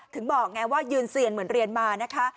ถึงบอกไงว่ายืนเซียนเหมือนเรียนมานะคะ